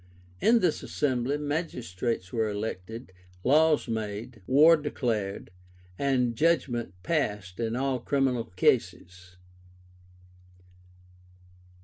In this assembly magistrates were elected, laws made, war declared, and judgment passed in all criminal cases.